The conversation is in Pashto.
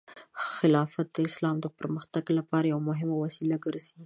خلافت د اسلام د پرمختګ لپاره یو مهم وسیله ګرځي.